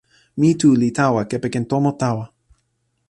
mi tu li tawa kepeken tomo tawa.